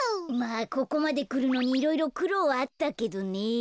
まあここまでくるのにいろいろくろうはあったけどね。